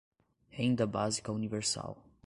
Renda Básica Universal